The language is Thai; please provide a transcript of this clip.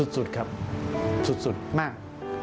สุดครับสุดมาก